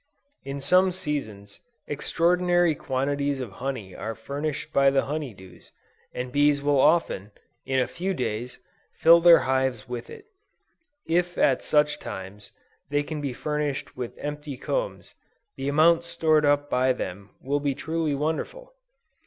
In some seasons, extraordinary quantities of honey are furnished by the honey dews, and bees will often, in a few days, fill their hives with it. If at such times, they can be furnished with empty combs, the amount stored up by them, will be truly wonderful.